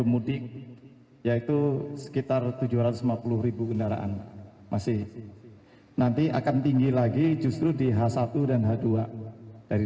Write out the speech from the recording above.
mudik yaitu sekitar tujuh ratus lima puluh kendaraan masih nanti akan tinggi lagi justru di h satu dan h dua dari